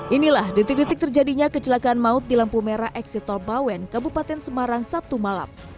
inilah detik detik terjadinya kecelakaan maut di lampu merah eksitol bawen kabupaten semarang sabtu malam